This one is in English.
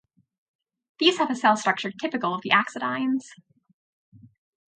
These have a cell structure typical of the axodines.